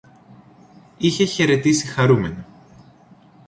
Είχε χαιρετήσει χαρούμενα